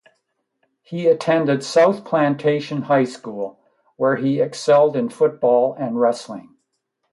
He attended South Plantation High School, where he excelled in football and wrestling.